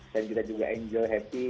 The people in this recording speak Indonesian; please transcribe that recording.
saya juga juga enjoy happy